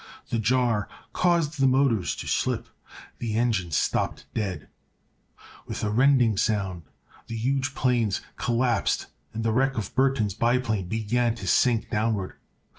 The jar caused the motors to slip; the engines stopped dead; with a rending sound the huge planes collapsed and the wreck of Burthon's biplane began to sink downward.